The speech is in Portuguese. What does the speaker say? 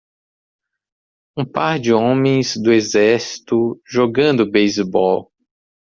Um par de homens do exército jogando beisebol.